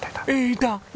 いた？